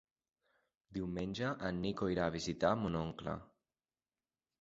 Diumenge en Nico irà a visitar mon oncle.